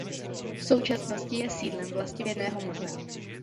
V současnosti je sídlem Vlastivědného muzea.